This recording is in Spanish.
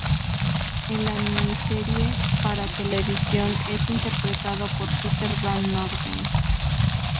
En la miniserie para televisión, es interpretado por Peter Van Norden.